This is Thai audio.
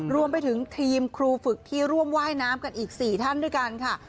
รวมไปถึงทีมครูฝึกที่ร่วมว่ายน้ำกันอีก๔ท่านด้วยกันค่ะ